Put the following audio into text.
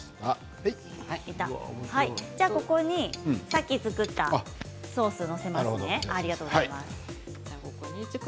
ここに、さっき作ったソースを載せますね。